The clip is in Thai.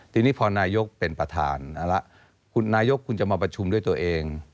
ทีนี้พอนายกเป็นประธานเอาละคุณนายกคุณจะมาประชุมด้วยตัวเอง